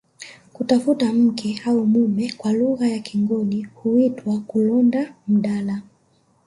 Kutafuta mke au mume kwa lugha ya kingoni huitwa kulonda mdala